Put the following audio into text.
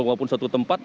walaupun satu tempat